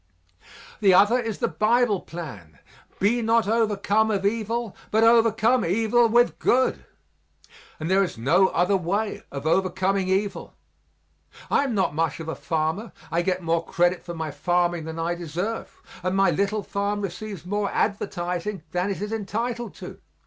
The other is the Bible plan "Be not overcome of evil but overcome evil with good." And there is no other way of overcoming evil. I am not much of a farmer I get more credit for my farming than I deserve, and my little farm receives more advertising than it is entitled to.